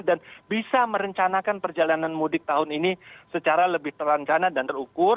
dan bisa merencanakan perjalanan mudik tahun ini secara lebih terancana dan terukur